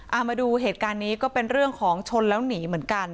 เอามาดูเหตุการณ์นี้ก็เป็นเรื่องของชนแล้วหนีเหมือนกัน